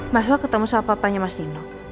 mas al ketemu sama papanya mas dino